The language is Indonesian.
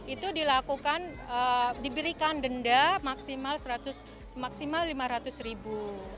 itu dilakukan diberikan denda maksimal lima ratus ribu